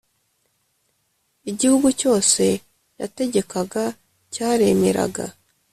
igihugu cyose yategekaga cyaremeraga